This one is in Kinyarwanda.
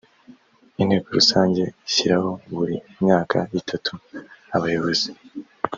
inteko rusange ishyiraho buri myaka itatu abayobozi